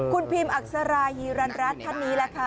คุณพิมอักษรายีรันรัฐท่านนี้แหละค่ะ